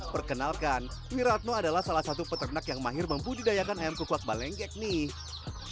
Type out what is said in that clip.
perkenalkan wiratno adalah salah satu peternak yang mahir membudidayakan ayam kukuak balengkek nih